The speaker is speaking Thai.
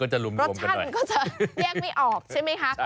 รสชาติมันก็จะแยกไม่ออกใช่ไหมคะ